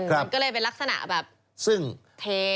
มันก็เลยเป็นลักษณะแบบซึ่งเท